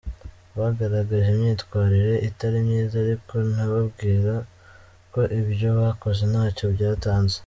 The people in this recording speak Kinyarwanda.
Bagaragaje imyitwarire itari myiza ariko nababwira ko ibyo bakoze ntacyo byatanze.